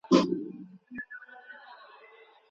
او یو سهار